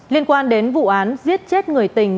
liên quan đến vụ án giết chết người tình